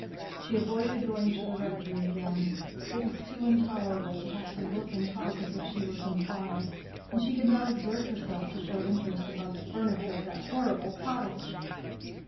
She avoided going to the rectory again: it was too intolerable to have to look and talk as if she were compliant; and she could not exert herself to show interest about the furniture of that horrible cottage.